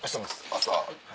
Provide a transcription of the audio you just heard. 朝。